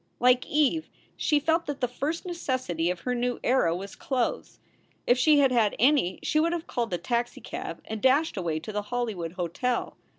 Like Eve, she felt that the first necessity of her new era was clothes. If she had had any she would have called a taxicab and dashed away to the Hollywood Hotel.